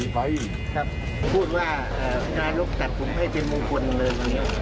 ผมพูดว่าการลูกจัดผมให้เป็นมงคลเลย